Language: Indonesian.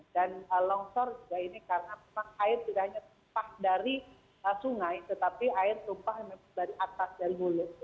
longsor juga ini karena memang air tidak hanya tumpah dari sungai tetapi air tumpah dari atas dari mulut